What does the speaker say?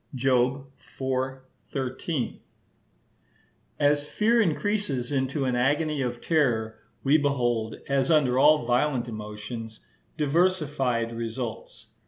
(Job iv. 13) As fear increases into an agony of terror, we behold, as under all violent emotions, diversified results.